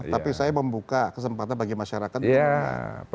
tapi saya membuka kesempatan bagi masyarakat